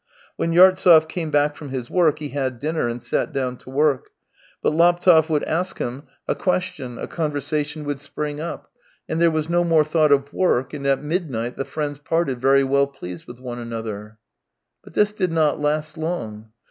When Yartsev came back from his work, he had dinner, and sat down to work ; but Laptev would ask him 288 THE TALES OF TCHEHOV a question, a conversation would spring up, and there was no more thought of work and at mid night the friends parted very well pleased with one another. But this did not last long.